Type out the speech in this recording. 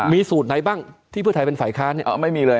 มีสูตรไหนบ้างที่เพื่อไทยเป็นฝ่ายค้าเนี่ย